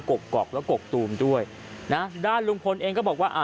กกอกและกกตูมด้วยนะด้านลุงพลเองก็บอกว่าอ่า